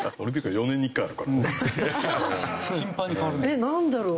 えっなんだろう？